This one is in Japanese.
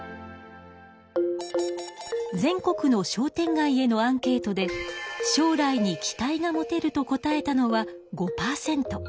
全国の商店街へのアンケートで「将来に期待が持てる」と答えたのは５パーセント。